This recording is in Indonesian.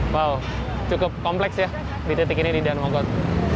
wow cukup kompleks ya di titik ini di danmogot